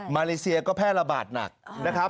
เลเซียก็แพร่ระบาดหนักนะครับ